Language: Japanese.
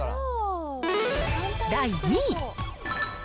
第２位。